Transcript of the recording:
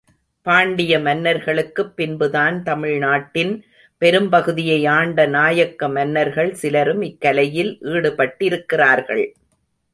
பாண்டிய மன்னர்களுக்குப் பின்புதான் தமிழ் நாட்டின் பெரும் பகுதியை ஆண்ட நாயக்க மன்னர்கள் சிலரும் இக்கலையில் ஈடுபட்டிருக்கிறார்கள்.